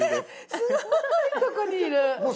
すごいとこにいる！